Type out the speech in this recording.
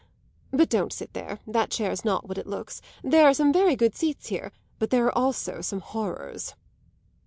But don't sit there; that chair's not what it looks. There are some very good seats here, but there are also some horrors."